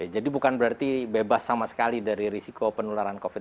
jadi bukan berarti bebas sama sekali dari risiko penularan covid sembilan belas